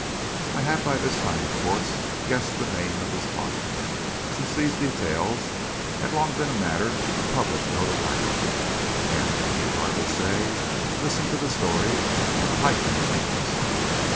I had by this time, of course, guessed the name of his client, since these details had long been a matter of public notoriety, and, I need hardly say, listened to the story with a heightened interest.